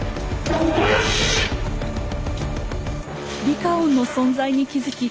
リカオンの存在に気付き